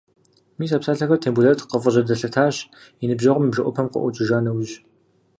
Мис а псалъэхэр Тембулэт къыфӏыжьэдэлъэтащ, и ныбжьэгъум и бжэӏупэм къыӏукӏыжа нэужь.